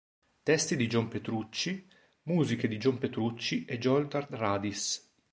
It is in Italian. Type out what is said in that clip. Testi di John Petrucci, musiche di John Petrucci e Jordan Rudess.